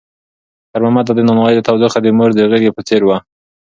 خیر محمد ته د نانوایۍ تودوخه د مور د غېږې په څېر وه.